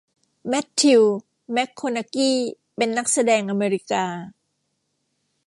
แมทธิวแม็กโคนากี้เป็นนักแสดงอเมริกา